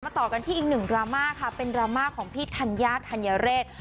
ต่อกันที่อีกหนึ่งดราม่าค่ะเป็นดราม่าของพี่ธัญญาธัญเรศ